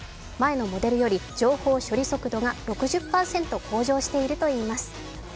前のモデルより情報処理速度が６０％向上しているといいます。